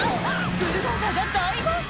ブルドーザーが大暴走！